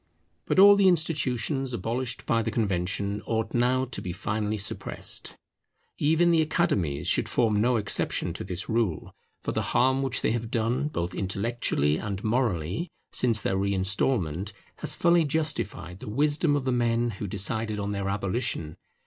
But all the institutions abolished by the Convention ought now to be finally suppressed. Even the Academies should form no exception to this rule, for the harm which they have done, both intellectually and morally, since their reinstalment, has fully justified the wisdom of the men who decided on their abolition.